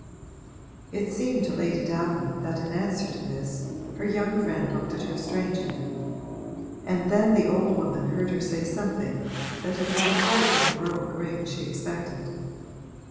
It seemed to Lady Davenant that in answer to this her young friend looked at her strangely; and then the old woman heard her say something that had not quite the heroic ring she expected.